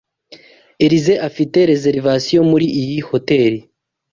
Elyse afite reservation muri iyi hoteri.